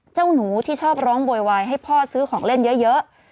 เจ้าหนูที่ชอบร้องโวยวายให้พ่อซื้อของเล่นเยอะ